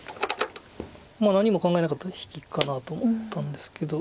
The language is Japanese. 何も考えなかったら引きかなと思ったんですけど。